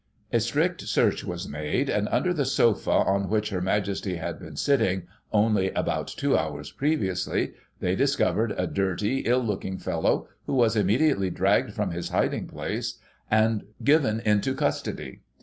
A strict search was made ; and, under the sofa on which Her Majesty had been sitting, only about two hours' previously, they discovered a dirty, ill looking fellow, who was immediately dragged from his hiding place, and given into custody.